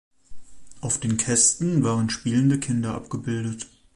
Auf den Kästen waren spielende Kinder abgebildet.